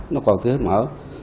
nó còn cái mở